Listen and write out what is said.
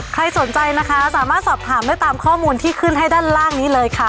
ใครสนใจนะคะสามารถสอบถามได้ตามข้อมูลที่ขึ้นให้ด้านล่างนี้เลยค่ะ